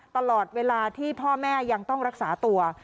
ตลอดเวลาที่พ่อแม่ยังต้องรักษาตัว